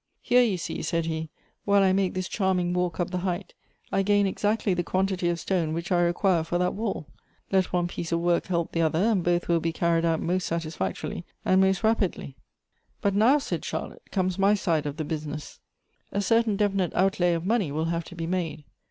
" Here you see," said he, " while I make this charming walk up the height, I gain exactly the quantity of stone which I require for that wall. Let one piece of work help the other, and both will be earned out most satisfactorily and most rapidly.'' " But now," said Charlotte, " comes my side of the busi ness. A certain definite outlay of money will have to be made.